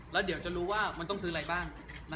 แล้วเดี๋ยวจะรู้ว่ามันต้องซื้ออะไรบ้าง